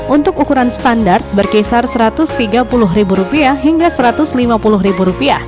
untuk ukuran standar berkisar rp satu ratus tiga puluh hingga rp satu ratus lima puluh